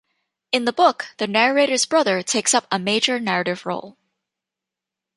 In the book, the narrator's brother takes up a major narrative role.